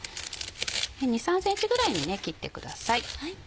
２３ｃｍぐらいに切ってください。